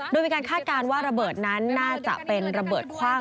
โดยมีการคาดการณ์ว่าระเบิดนั้นน่าจะเป็นระเบิดคว่าง